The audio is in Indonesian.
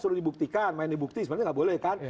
sudah dibuktikan main di bukti sebenarnya nggak boleh kan